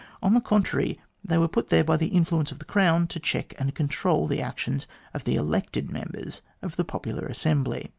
On the contrary, they were put there by the influence of the Crown to check and control the actions of the elected members of the popular assembly.